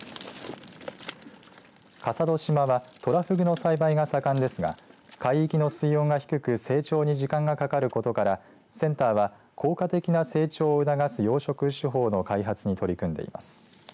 笠戸島はトラフグの栽培が盛んですが海域の水温が低く成長に時間がかかることからセンターは効果的な成長を促す養殖手法の開発に取り組んでいます。